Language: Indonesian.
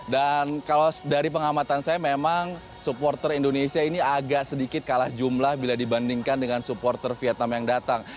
dan kalau dari pengamatan saya memang supporter indonesia ini agak sedikit kalah jumlah bila dibandingkan dengan supporter vietnam yang datang